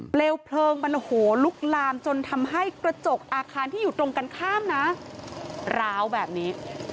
เพลิงมันโหลุกลามจนทำให้กระจกอาคารที่อยู่ตรงกันข้ามนะร้าวแบบนี้